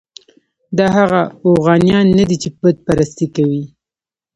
دا هغه اوغانیان نه دي چې بت پرستي کوي.